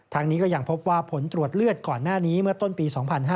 นี้ก็ยังพบว่าผลตรวจเลือดก่อนหน้านี้เมื่อต้นปี๒๕๕๙